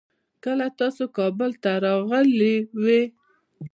کله تاسو کابل ته راغلې وي؟